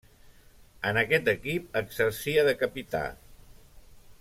En aquest equip exercia de capità.